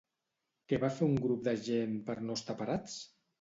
Què va fer un grup de gent per no estar parats?